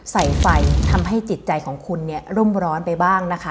ใส่ไฟทำให้จิตใจของคุณเนี่ยร่มร้อนไปบ้างนะคะ